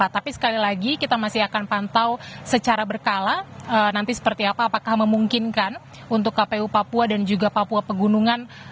tapi sekali lagi kita masih akan pantau secara berkala nanti seperti apa apakah memungkinkan untuk kpu papua dan juga papua pegunungan